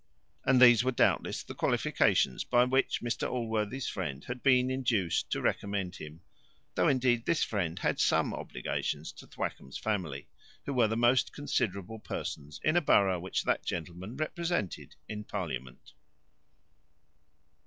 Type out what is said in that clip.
And these were doubtless the qualifications by which Mr Allworthy's friend had been induced to recommend him; though indeed this friend had some obligations to Thwackum's family, who were the most considerable persons in a borough which that gentleman represented in parliament.